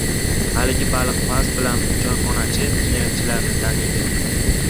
Haligi baliqpaz bilan choyxonachi jinoyatchilarni taniydi.